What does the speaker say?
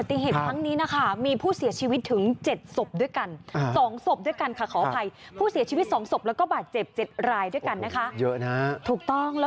ที่เกิดขึ้นเมื่อสามทุ่มที่ผ่านมานี้เองนะคะ